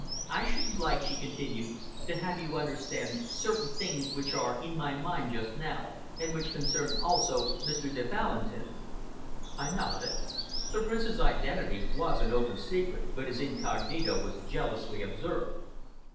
"I should like," she continued, "to have you understand certain things which are in my mind just now, and which concern also Mr. de Valentin." I nodded. The Prince's identity was an open secret, but his incognito was jealously observed.